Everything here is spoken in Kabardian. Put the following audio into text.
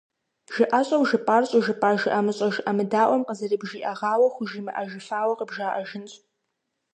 Жыӏэщӏэу жыпӏар щӏыжыпӏа жыӏэмыщӏэ-жыӏэмыдаӏуэм къызэрыбжиӏэгъауэ хужымыӏэжыфауэ къыбжаӏэжынщ.